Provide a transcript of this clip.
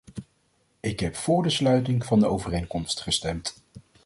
Ik heb vóór de sluiting van de overeenkomst gestemd.